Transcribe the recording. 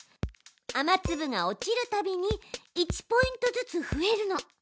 雨つぶが落ちるたびに１ポイントずつ増えるの。